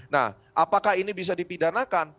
nah apakah ini bisa dipidanakan